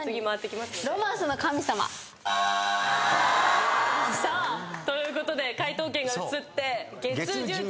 『ロマンスの神様』ということで解答権が移って月１０チームです。